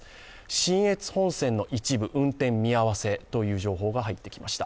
信越本線の一部運転見合わせという情報が入ってきました。